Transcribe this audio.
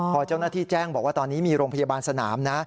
พอเจ้าหน้าที่แจ้งบอกว่าตอนนี้มีโรงพยาบาลสนามนะ